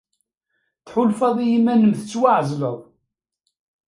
Tḥulfaḍ i yiman-nnem tettwaɛezleḍ.